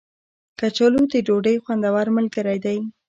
کچالو د ډوډۍ خوندور ملګری دی